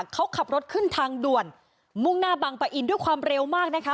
เขาขับรถขึ้นทางด่วนมุ่งหน้าบังปะอินด้วยความเร็วมากนะคะ